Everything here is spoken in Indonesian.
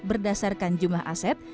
berdasarkan jumlah aset